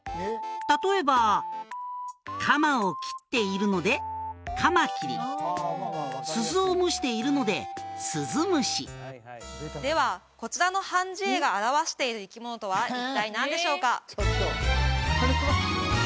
例えば釜を切っているのでカマキリ鈴を蒸しているのでスズムシではこちらの判じ絵が表している生き物とは一体何でしょうか？